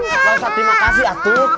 tidak usah terima kasih atuh